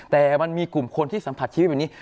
แต่มันมีกลุ่มคนที่สัมผัสชีวิตแบบนี้